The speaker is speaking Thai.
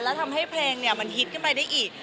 แล้วทำให้เพลงมันฮิตขึ้นไปได้อีก